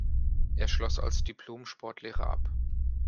Er schloss als Diplom-Sportlehrer ab.